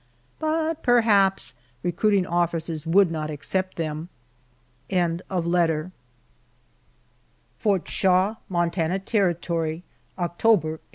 But perhaps recruiting officers would not accept them. FORT SHAW, MONTANA TERRITORY, October, 1878.